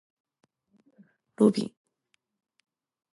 ロビン